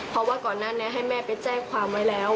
เพราะว่าก่อนหน้านี้ให้แม่ไปแจ้งความไว้แล้ว